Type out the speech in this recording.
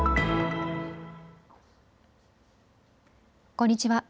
こんにちは。